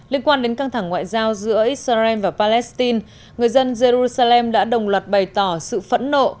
liên quan đến căng thẳng ngoại giao giữa israel và palestine người dân jerusalem đã đồng loạt bày tỏ sự phẫn nộ